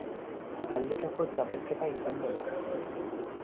Taldekako txapelketa izango da.